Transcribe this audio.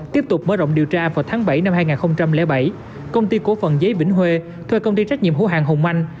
tiếp tục mở rộng điều tra vào tháng bảy năm hai nghìn bảy công ty cổ phần giấy vĩnh huê thuê công ty trách nhiệm hữu hàng hùng mạnh